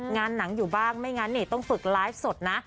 งานหนังอยู่บ้างไม่งั้นต้องฝึกไลฟ์สดนะ